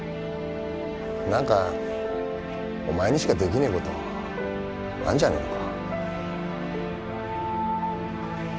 何かお前にしかできねえことあんじゃねえのか？